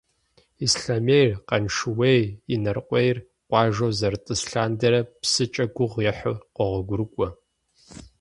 Ислъэмейр, Къаншыуейр, Инарыкъуейр къуажэу зэрытӏыс лъандэрэ псыкӏэ гугъу ехьу къогъуэгурыкӏуэ.